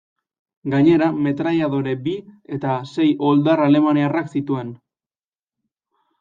Gainera metrailadore bi eta sei oldar alemaniarrak zituen.